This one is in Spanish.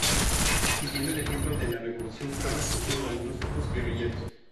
Siguiendo el ejemplo de la revolución cubana, surgieron algunos focos guerrilleros.